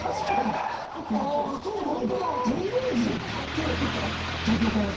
今日どっから？